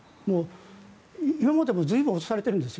今までも随分落とされてるんですよ